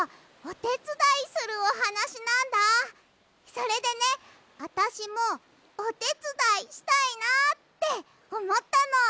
それでねあたしもおてつだいしたいなっておもったの。